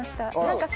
何か。